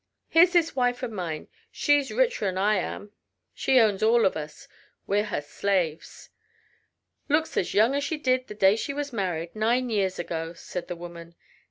Here's this wife o' mine. She's richer'n I am. She owns all of us. We're her slaves." "Looks as young as she did the day she was married nine years ago," said the woman.